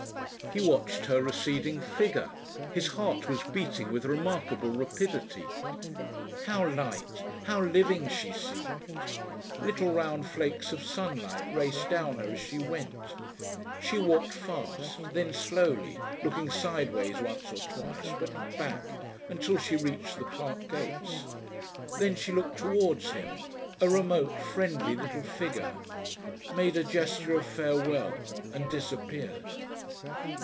He watched her receding figure. His heart was beating with remarkable rapidity. How light, how living she seemed! Little round flakes of sunlight raced down her as she went. She walked fast, then slowly, looking sideways once or twice, but not back, until she reached the park gates. Then she looked towards him, a remote friendly little figure, made a gesture of farewell, and disappeared.